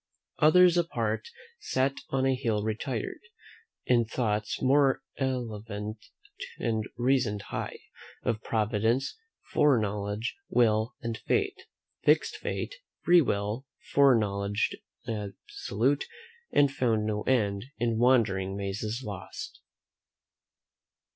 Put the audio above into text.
"Others apart sat on a hill retired, In thoughts more elevate, and reasoned high Of providence, fore knowledge, will, and fate, Fixed fate, free will, fore knowledge absolute, And found no end, in wandering mazes lost."